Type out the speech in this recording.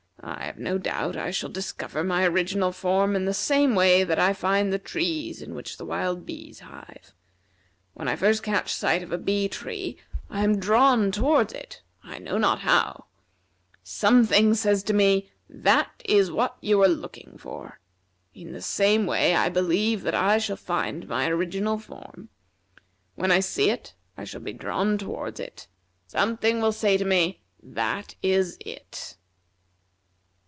I have no doubt I shall discover my original form in the same way that I find the trees in which the wild bees hive. When I first catch sight of a bee tree I am drawn towards it, I know not how. Something says to me: 'That is what you are looking for.' In the same way I believe that I shall find my original form. When I see it, I shall be drawn towards it. Something will say to me: 'That is it.'"